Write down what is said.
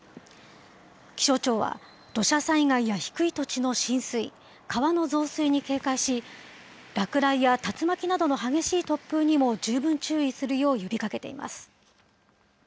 気象庁は、土砂災害や低い土地の浸水、川の増水に警戒し、落雷や竜巻などの激しい突風にも十分注意するよう呼びかけています。